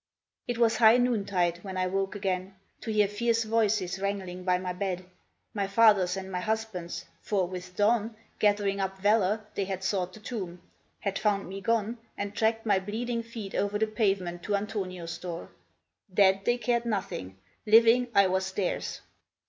It was high noontide when I woke again, To hear fierce voices wrangling by my bed, My father's and my husband's; for, with dawn, Gathering up valor, they had sought the tomb, Had found me gone, and tracked my bleeding feet Over the pavement to Antonio's door. Dead, they cared nothing: living, I was, theirs.